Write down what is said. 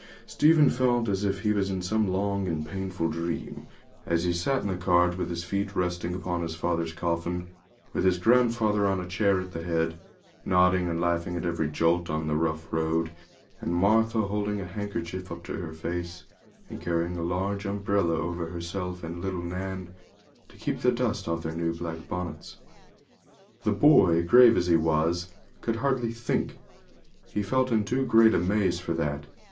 Stephen felt as if he was in some long and painful dream, as he sat in the cart, with his feet resting upon his father's coffin, with his grandfather on a chair at the head, nodding and laughing at every jolt on the rough road, and Martha holding a handkerchief up to her face, and carrying a large umbrella over herself and little Nan, to keep the dust off their new black bonnets. The boy, grave as he was, could hardly think; he felt in too great a maze for that.